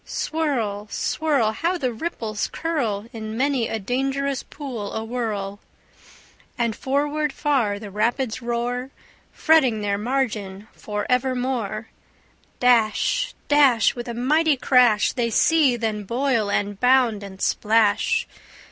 Swirl, swirl! How the ripples curl In many a dangerous pool awhirl! And forward far the rapids roar, Fretting their margin for evermore. Dash, dash, With a mighty crash, They seethe, and boil, and bound, and splash.